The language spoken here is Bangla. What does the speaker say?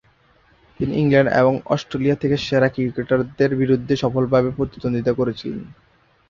তিনি ইংল্যান্ড এবং অস্ট্রেলিয়া থেকে সেরা ক্রিকেটারদের বিরুদ্ধে সফলভাবে প্রতিদ্বন্দ্বিতা করেছিলেন।